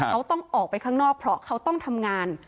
เขาต้องออกไปข้างนอกเพราะเขาต้องทำงาน